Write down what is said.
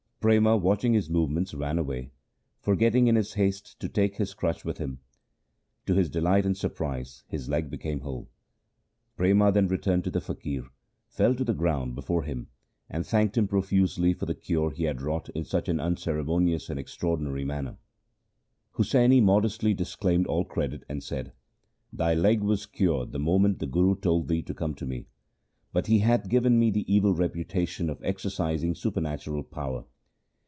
Prema watching his movements ran away, forgetting in his haste to take his crutch with him. To his delight and surprise his leg became whole. Prema then returned to the faqir, fell to the ground before him, and thanked him profusely for the cure he had wrought in such an unceremonious and extraordinary manner. Husaini modestly disclaimed all credit, and said, ' Thy leg was cured the moment the Guru told thee to come to me ; but he hath given me the evil reputation of exercising supernatural power.